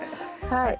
はい。